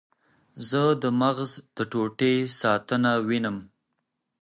زه د مغز د ټوټې ساتنه وینم.